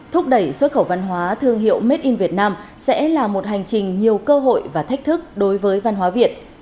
thúc đẩy xuất khẩu văn hóa thương hiệu made in vietnam sẽ là một hành trình nhiều cơ hội và thách thức đối với văn hóa việt